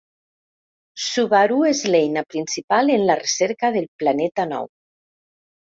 Subaru és l'eina principal en la recerca del Planeta Nou.